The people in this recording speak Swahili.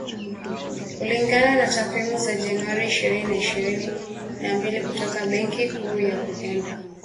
Kulingana na takwimu za Januari ishirini na ishirini na mbili kutoka Benki Kuu ya Uganda,